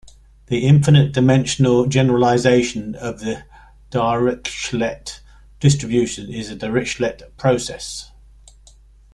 The infinite-dimensional generalization of the Dirichlet distribution is the "Dirichlet process".